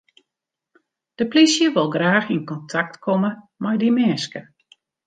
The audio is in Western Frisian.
De polysje wol graach yn kontakt komme mei dy minsken.